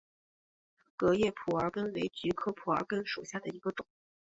革叶蒲儿根为菊科蒲儿根属下的一个种。